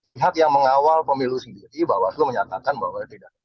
lihat yang mengawal pemilu sendiri bahwa menyatakan bahwa tidak